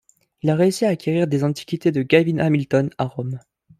Il a réussi à acquérir des antiquités de Gavin Hamilton à Rome.